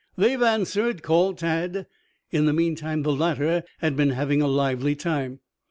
"They've answered," called Tad. In the meantime the latter had been having a lively time.